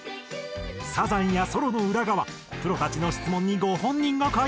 サザンやソロの裏側プロたちの質問にご本人が回答。